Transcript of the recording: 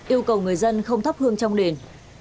yêu cầu người dân không thấp hương trong đền